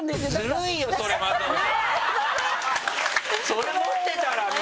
それ持ってたらね！